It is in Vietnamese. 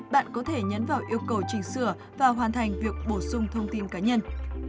bạn có thể nhấn vào yêu cầu chỉnh sửa và hoàn thành việc bổ sung thông tin cá nhân